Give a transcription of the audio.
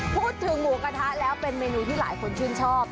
พูดถึงหมูกระทะแล้วเป็นเมนูที่หลายคนชื่นชอบ